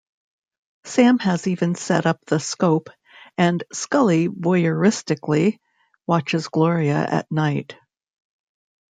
Sam has even set up the scope and Scully voyeuristically watches Gloria at night.